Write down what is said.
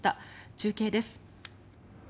中継です。